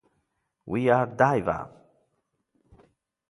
We Are Diva!.